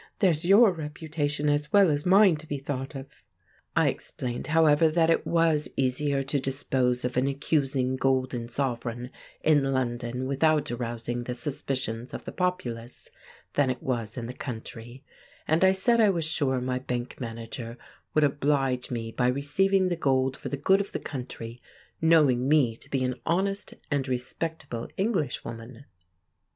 There's your reputation as well as mine to be thought of." I explained, however, that it was easier to dispose of an accusing golden sovereign in London without arousing the suspicions of the populace than it was in the country, and I said I was sure my bank manager would oblige me by receiving the gold for the good of the country, knowing me to be an honest and respectable Englishwoman.